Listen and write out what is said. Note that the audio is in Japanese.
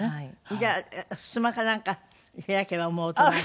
じゃあふすまかなんか開けばもうお隣って。